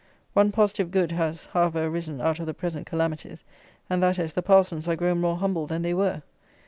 One positive good has, however, arisen out of the present calamities, and that is, the parsons are grown more humble than they were.